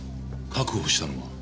確保したのは？